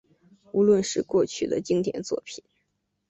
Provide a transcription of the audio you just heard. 无论是过去的经典作品